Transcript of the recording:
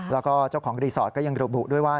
แล้วก็เจ้าของรีสอร์ทก็ยังระบุด้วยว่า